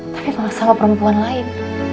tapi sama perempuan lain